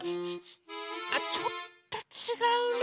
あちょっとちがうな。